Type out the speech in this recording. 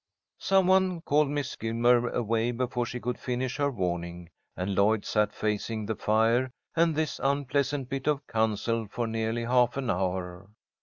Some one called Miss Gilmer away before she could finish her warning, and Lloyd sat facing the fire and this unpleasant bit of counsel for nearly half an hour.